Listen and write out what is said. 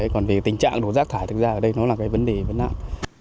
còn về tình trạng đổ rác thải thực ra ở đây nó là cái vấn đề vấn nạn